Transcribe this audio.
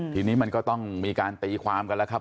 ทีนี้มันก็ต้องมีการตีความกันแล้วครับ